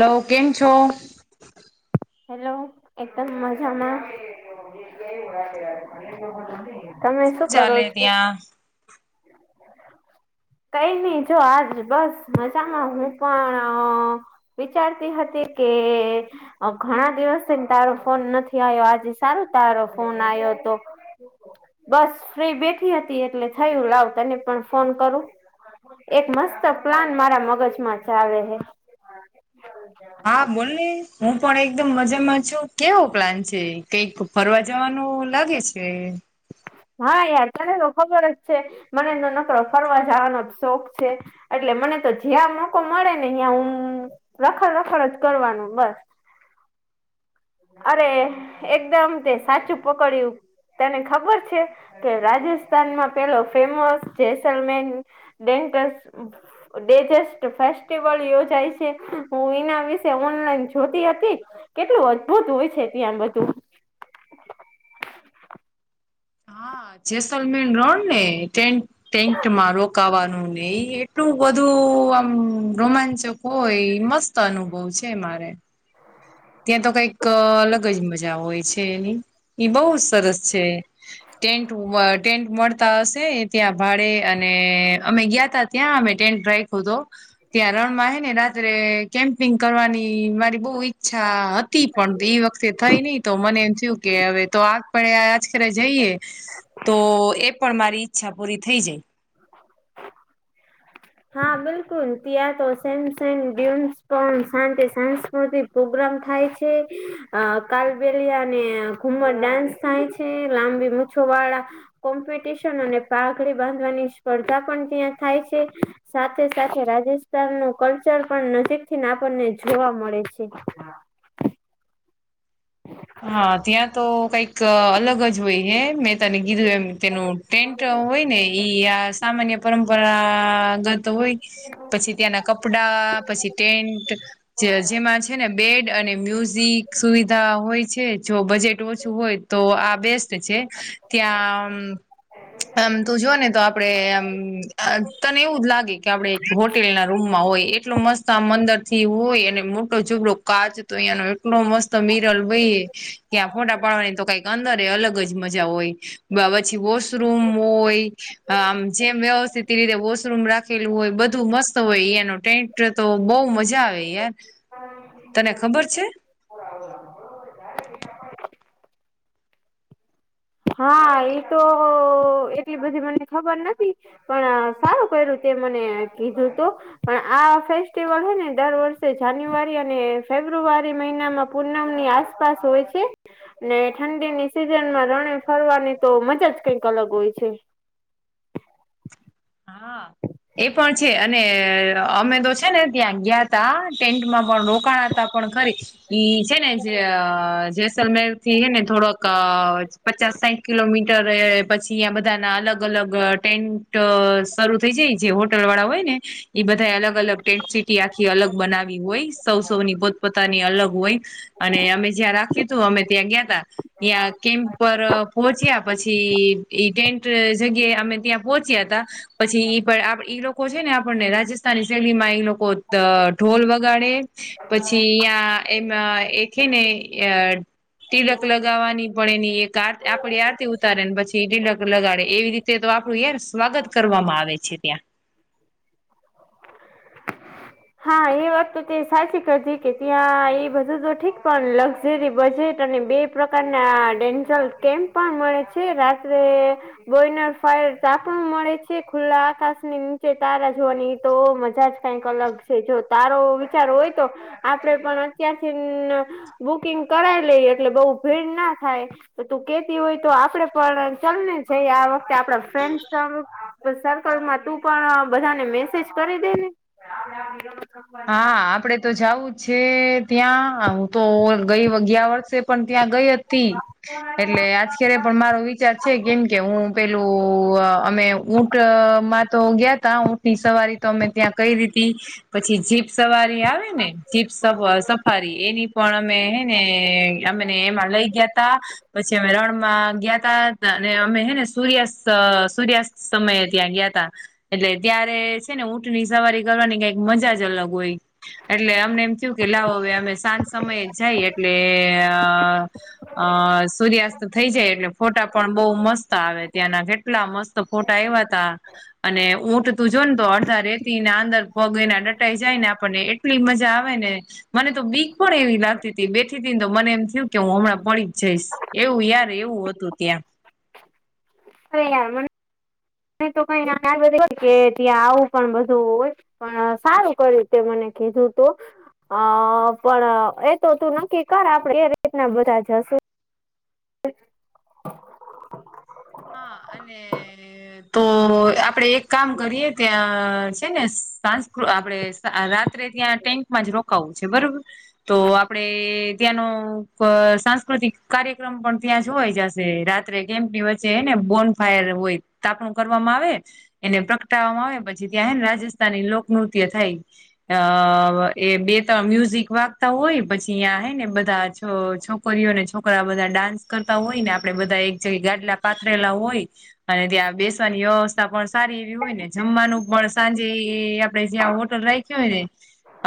Hello કેમ છો? Hello એદમ મજામાં તમે શું કરો ચાલે છો ત્યાં? [inaudible] કઈ નઈ જો આજ બસ મજામાં હું પણ વિચારતી હતી કે હ ઘણા દિવસ થને તારો ફોન નથી આવ્યો આજે સારું તારો ફોન આવ્યો તો બસ ફ્રી બેઠી હતી એટલે થયું લાવ તને પણ ફોન કરું એક મસ્ત પ્લાન મારા મગજમાં ચાલે હે [unintelligible] હા બોલ ને હું પણ એકદમ મજામાં છું કેવો પ્લાન છે કઈક ફરવા જવાનું લાગે છે હા, યાર તને તો ખબર જ છે, મને તો નકરો ફરવા જવાનો જ શોખ છે. એટલે મને તો જ્યાં મોકો મળે ને, અહીયાં હું રખર રખર જ કરવાનું બસ. અરે, એકદમ તે સાચું પકડય્યું. તને ખબર છે કે, રાજસ્થાનમાં પેલો ફેમસ જેસલમેન. ડેન્ટલ. ડેજેસ્ટ ફેસ્ટિવલ યોજાય છે, હું એના વિશે ઓનલાઈન જોતી હતી. કેટલું અદ્ભુત હોય છે ત્યાં બધું. હા, જેસલમેન રોડ ને? ટેકમાં રોકાવાનું નહીં, એટલું બધું આમ રોમાંચક. હોય, એ મસ્ત અનુભવ છે મારે. ત્યાં તો કઈક અલગ જ મજા હોય છે, એની. બહુ જ સરસ છે, ટેન્ટ ટેન્ટ મળે. હશે, ત્યાં ભાડે અને અમે ગયા તા, ત્યાં અમે ટેન્ટ રાખ્યું તો. ત્યાં રણમાં હે ને, રાત્રે કેમ્પિંગ કરવાની મારી બહુ ઈચ્છા હતી. પણ એ વખતે થઈ નહીં, તો મને એમ થયું કે, હવે તો આગ પડે આજ ખરે જઈએ. તો એ પણ મારી ઈચ્છા પૂરી થઈ જાય. [unintelligible] હા, બિલકુલ, ત્યાં તો સેમસંગમસ શંત સા. પ્રગ્રામ થાય છે, કાલબલિયા અને ઘુમર ડાન્સ થાય છે, લાંબી છ વાળા કોમ્પિટશન અને પાઘડી બાંધવાની સ્પર્ધા પણ ત્યાં થાય છે. સાથે સાથે રાજસ્થાન નું કલ્ચર પણ નજીક થી આપણને જોવા મળે છે. હા. હા, ત્યાં તો કઈક અલગ જ હોય હ, મેં તને કીધું એમ તેનું. ટેન્ટ હોય ને, ઈ આ સામાન્ય પરંપરાગત. તો હોય, પછી ત્યાંના કપડા પછી ટેન્ટ. જેમાં છે ને, બેડ અને મ્યુઝિક સુવિધા હોય. છે, જો બજેટ ઓછું હોય તો, આ બેસ્ટ છે ત્યાં. આમ, તો જો ને તો આપડે, એમ તને એવું જ લાગે કે, આપણે હોટેલ ના રૂમમાં હોય, એટલો મસ્ત આમ મંદર થી હોય, અને મોટો ઝબડ કાચ. તો અહીયાંનો એટલો મસ્ત, મિરલ ભાઈ. ત્યાં ફોટા પાડવાની તો કઈક અંદર અલગ જ મજા હોય. પછી વોશરૂમ હોય. આમ જેમ વ્યવસ્થિત એ રીતે વોશરૂમ રાખેલું હોય, બધું મસ્ત હોય, યાનું ટેન્ટ. એ તો બહુ મજા આવે યાર, તને ખબર છે? [unintelligible] હા, એતો એટલી બધી મને ખબર નથી. પણ સારું કર્યું, તે મને કીધું તો. પણ આ ફેસ્ટિવલ હ ને, દર વર્ષે જાન્યુઆરી અને ફેબ્રુઆરી મહિનામાં પૂનમની આસ આસપાસ હોય છે ને, ઠંડીની સિઝનમાં ર ફરવાની તો મજા જ કંઈક અલગ હોય છે. હા. એ પણ છે, અને અમે તો છે ને, ત્યાં ગયા તા, ટેન્ટમાં પણ રોકાણ તા પણ ખરી ઈ છે ને, જે જેસલમેર થી છે ને, થોડોક પચાસ-સાઠ કિલોમીટર પછી અંયા બધાના અલગ-અલગ ટેન્ટ શરૂ થઈ જાય, જે હોટલ વાળા હોય ને, એ બધા અલગ અલગ ટેન્ટ, સીટી આખી અલગ બનાવી હોય. સૌ-સૌ ની પોતપોતાની અલગ હોય, અને અમે જ્યાં રાખ્યું તું, અમે ત્યાં ગયા તા. ત્યાં કેમ્પ પર પહોચ્યા, પછી ઈ ટેન્ટ જગ્યા અમે ત્યાં પહોંચ્યા તા. પછી ઈ પણ ઈ લોકો છે ને, આપણને રાજસ્થાની શૈલી માં એ લોકો ઢોલ વગાડે. પછી અહિયાં, એમ એક હે ને. ટિલક લગાવવાની પણ એની એક આ આપડી આરતી ઉતારે ને પછી ટિલક લગાડે એવી રી તે તો આપણું યાર સ્વાગત કરવામાં આવે છે ત્યાં. હા એ વાત તો તે સાચી કરીતી કે ત્યાં એ બધું તો ઠીક પણ લક્ઝરી બજેટ અને બે પ્રકારના ડેન્ઝલ કેમ્પ પણ મળે છે રાત્રે બોયનર ફાયર તા પણ મળે છે ખુલ્લા આકાશની નીચે તારા જોવાની તો મજા જ કઈક અલગ છે જો તારો વિચાર હોય તો આપડે પણ અત્યારથી બુકિંગ કરાઈ લઈ એટલે બઉુ ભીડ ના થાય. તો તું કેતી હોય તો આપડે પણ ચલને છે આ વખતે આપણા ફ્રેન્ડસ સર્કલમાં તું પણ બધાને મેસેજ કરી દે ને. હા આપડે તો જઉું જ છે ત્યાં હું તો ગઈ ગયા વર્ષે પણ ત્યાં ગઈ હ તી એટલે આજ્યારે પણ મારો વિચાર છે કેમ કે હું પેલું અમે ઊંટમાં તો ગયા તા ઊંટ ની સવારી તો અમે ત્યાં કયરી તી પછ છી જીપ સવારી આવે ને જીપ સફારી એની પણ અમે હે ને અમને એમા લઈ ગયા તા. પછી અમે રણમાં ગયા તા અને અમે હેને સૂર્યાસ્ત સૂર્યાસ્ત સમયે ત્યાં ગયા તા એટલે ત્યારે છે ને ઊટની સવારી કરવાની કઈક મજા જ જ અલગ હોઈ. એટલે અમને એમ થયું કે લાવો હવે અમે સાંજ સમયે જાય એટલે અ સૂર્યાસ્ત થઇ જાય એટલે ફોટા પણ બઉુ મસ્ત આવે ત્યાંના એટલા મસ્ત ફોટા આયવા હતા. અને ઊંટ તું જો ને તો અડધા રેતી ના અંદર પગ એના ડ ટાઇ જાય ને આપણને એટલી મજા આવે ને મને તો બીક પણ એવી લાગતી હતી બેઠી હતી ને તો મને એમ થયું કે હું હમણાં પડી જ જઈશ. એવું યાર એવું હતું ત્યાં. [unintelligible] ન તો કઈ કે ત્યાં આવું પણ બધું હોય. પણ સારું કર્યું તે મને કીધું તો. હ પણ એતો તું નક્કી કર આપડે એ રીતના બધા જશુ. હા અને તો આપડે એક કામ કરીએ ત્યાં છે ને સાસ્કુ આપડે રાત્રે ત્યાં ટેન્ટમાં જ રોકાવું છે બરોબર. તો આપડે ત્યાંનો સાંસ્કૃતિક કાર્યક્રમ પણ ત્યાં જોવાઈ જશે રા ત્રે કેમ્પ ની વ ચે હેને બોન ફાયર હોય તાપણું કરવામાં આવે એને પ્રગટાવવામાં આવે પછી ત્યાંને રાજ સ્થાની લોકનૃત્ય થઈ અ એ બે ત મ્યુઝિક વાગતા હોય પછી અહીં હ ને બધા જ જો છોકરીઓને છોકરા બધા ડાન્સ કરતા હોય ને આપડે બધા એક જગે ગાદલા પાથરેલા હોય અને ત્યાં બેસવાની વ્યવસ્થા પણ સારી એવી હોય ને જમવાનું પણ સાંજે આપડે જ્યાં હોટલ રાય ખી હોય ને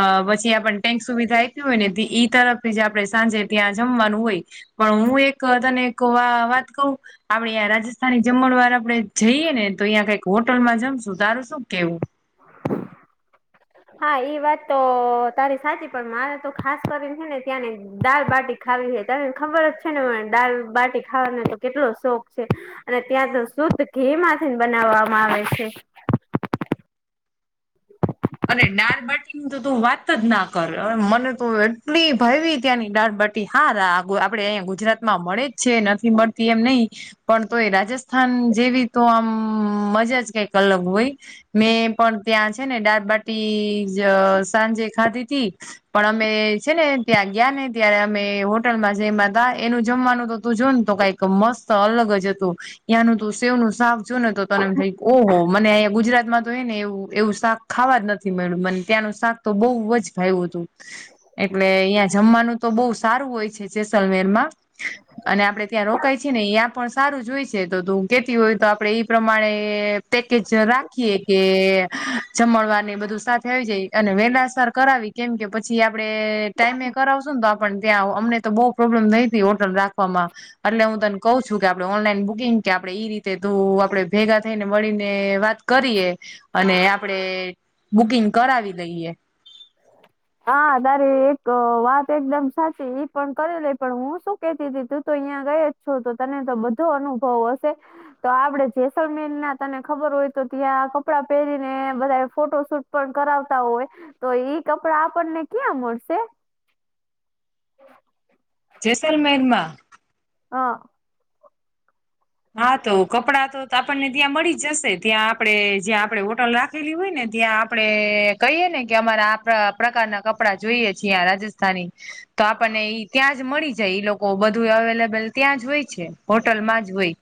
અ પછી આપને ટેન્ક સુવિધા આપી હોય ને ઈ તરફથી જે આપણે સાંજે ત્યાં જમવાનું હોય. પણ હું એક તને એક વા વાત કહું. આપડે તંયા રાજસ્થાની જમણ વાર આપડે જઈએ ને તો અહીંયા કઈક હોટલમાં જમશું તારું શું કેવું? [inaudible] હા એ વાત તો તારી સાચી પણ મારે તો ખાસ કરીને છે ને ત્યાં ને દાલ બાટી ખાવી છે તને ખબર જ છે ને દાલ બાટી ખાવાનો તો કેટલો શોખ છે. અને ત્યાં તો શુદ્ધ ઘી માંથી બનાવવામાં આવે છે. અને દાળબાટીની તો તું વાત જ ના કર અવે મને તો એટલી ભાયવી ત્યાંની દાળબા હા આપડે અહીંયા ગુજરાત માં મળે જ છે નથી મળતી એમ નહી પણ તો એ રાજસ્થાન જેવી તો આમ મજા જ કઈક અલગ હોય મેં પણ ત્યાં છે ને દારબાટી જ સાંજે ખાધી તી પણ અમે છે ને ત્યાં ગયા ને ત્યારે અમે હોટલમાં જ એમાં હતા એનું જમવાનું તો તું જોને તો કઈક તો મસ્ત અલગ જ હતું ત્યાંનું તું સેવ નું સાફ જો ને તો તને એમ થાય ઓહો મને અંયા ગુજરાતમાં તો એ ને એવું એવું શાક ખાવા જ નથી મળ્યું મને ત્યાંનું શાક તો બહુ જ ભાયું હતું એટલે અહીંયા જમવાનું તો બહુ સારું હોય છે જેેસલમેર માં અને આપડે ત્યાં રોકાય છે ને એયા પણ સારું જોય છે તો તું કેતી હોય તો આપડે ઈ પ્રમાણે એ પેકેજ રાખીએ કે જમડવાની બધી સાથે આવી જાય અને વેલા સાર કરાવી કેમ કે પછી આપડે ટાઈમે કરાવશું ને તો પણ ત્યાં અમને તો બહુ પ્રોબ્લેમ નઈ હોટલ રાખવામાં એટલે હું તને કહું છું કે આપણે ઓનલાઈન બુકિંગ કે આપડે ઈ રીતે તું આપડે ભેગા થઈ ને મળીને વાત કરીએ અને આપણે બુકિંગ કરાવી લઈએ. હા તારે એક વાત એકદમ સાચી ઈ પણ કરી લે પણ હું શું કેતી તી તું તો અહિયાં ગએ છો તો તને તો બધો અનુભવ હશે તો આપડે જેસલમેર ના તને ખબર હોય તો ત્યાં કપડા પહેરીને બધા ફોટો શૂટ પણ કરાવતા હોય તો ઈ કપડા આપણને ક્યાં મળશે જેસલ મેર માં હા. હા તો કપડા તો તો આપણને ત્યાં મળી જશે ત્યાં આપણેે જ્યાં આપણે હોટલ રાખેલી હોય ને ત્યાં આપણે એ કહીએ ને કે અમારે આ પ્રકારના કપડાં જોઈએ છેં આ રાજસ્થાની તો આપણને ઈ ત્યાં જ મળી જાય ઈ લોકો બધું અવેલેબલ ત્યાં જ હોય છે હોટલમાં જ હોય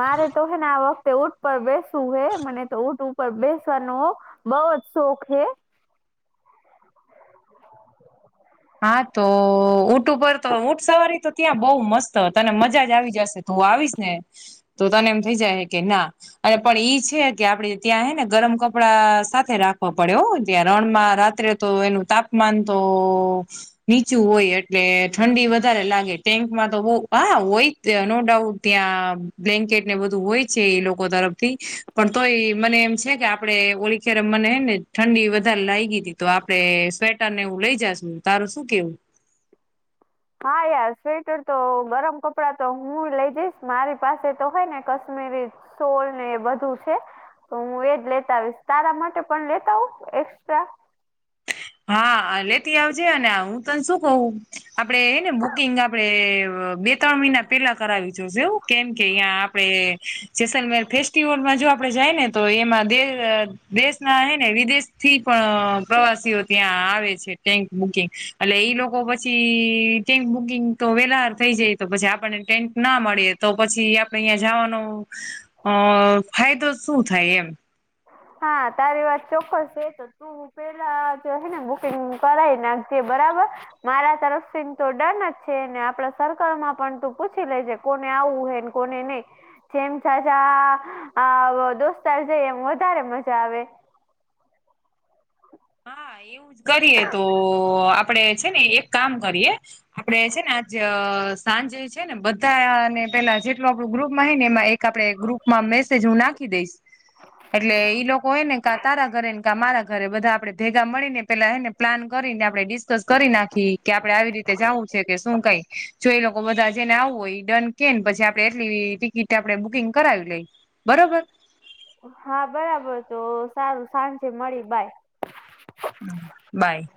મારે તો હે ને આ વખતે ઊંટ પર બેસવું હે મને તો ઊંટ ઉપર બેસવાનો બઉ જ સોખ હે હા તો ઊંટ ઉપર તો ઊંટ સવારી તો ત્યાં બહુ મસ્ત ત અને મજા જ આવી જશે. હું આવીશ ને તો તને એમ થઈ જાય કે ના અને પણ ઈ છે કે આપડે ત્યાં હે ને ગરમ કપડા સાથે રાખવા પડે ત્યાં રણમાં રાત્રે તો એનું તાપમાન તો નીચું હોય એટલે ઠંડી વધારે લાગે ટેન્કમાં તો બહું હા હોય તેનો ડાઉટ ત્યાં બ્લેન્કેટ ને બધું હોય છે એ લોકો તરફથી પણ તોય મને એમ છે કે આપડે ઓલી કેર મને ને ઠંડી વધારે લાગી હતી તો આપડે સ્વેટર ને એવું લઈ જાશુ તારું શું કેવું હા યાર સ્વેટર તો ગરમ કપડાં તો હું લઈ જઈશ મારી પાસે તો હોય ને કાશ્મીરી સોલ ને બધું છે. તો હું એજ લેતા આવીશ તારા માટે પણ લેતા આવુ એસ્ટ્રા હા અલેથી આવજે અને હું તને શું કવુ આપડે હે ને બુકિંગ આપડણે બે ત્રણ મહિના પેલા કરાવી જોશે એવું કેમ કે અહીં આપડે જેસલમેર ફેસ્ટિવલમાં જો આપડે જાય ને તો એમાં દેશ ના હે ને વિદેશથી પણ પ્રવાસીઓ ત્યાં આવે છે ટેક બુકિંગ એટલે ઈ લોકો પછી ટેક બુકિંગ તો વેલાહાર થઈ જઈ તો પછી આપણને ટેન્ટ ના મળી તો પછી આપણેે અહિયા જવાનું અ ફાયદો શું થાય એમ હા તારી વાત ચોક્કસ છે પેલા જો હે ને બુકિંગ કરાઈ નાખજે બરાબર મારા તરફથી તો ડર જ છે ને આપડા સર્કલ માં પણ તું પૂછી લેજે કોને આવું હોયને કોને નહી જેમ સજા અ દોસ્તાર છે એમ તારે મજા આવે હા એવું જ કરીએ તો આપડે છે ને એક કામ કરીએ. આપડે છે ને આજ સાંજે છે ને બધાને પેલા જેટલું આપણું ગ્રુપમાં ને એમાં એક આપડે ગ્રુપ માં મેસેજ હું નાખી દઈશ. એટલે ઈ લોકો હોય ને ક તારા ઘરે ને ક મારા ઘરે બધા આપડે ભેગા મળીને પેલા એને પ્લાન કરીને આપણે ડિસ્કસ કરી નાખી કે આપડે આવી રીતે જવું છે કે શું કઈ જો એ લોકો બધા જઈને આવવું હોય ડન કે ને પછી આપડે એટલી ટિકિટ આપડે બુકિંગ કરાવી લઈ. બરોબર હા બરાબર તો સારું સાંજે મળી બાય બાય.